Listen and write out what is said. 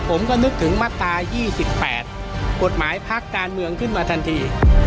ผมก็นึกถึงมาตรา๒๘กฎหมายพักการเมืองขึ้นมาทันที